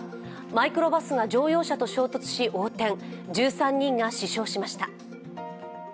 マイクロバスが乗用車と追突し横転、１３人が死傷しました。